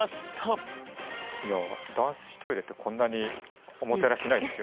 いや男子トイレってこんなにおもてなしないですよね。